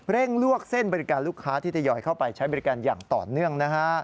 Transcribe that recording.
ลวกเส้นบริการลูกค้าที่ทยอยเข้าไปใช้บริการอย่างต่อเนื่องนะฮะ